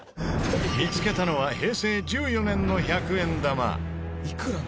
見つけたのは平成１４年の１００円玉。